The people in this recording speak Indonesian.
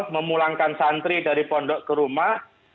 memulangkan santri dari pondok ke rumah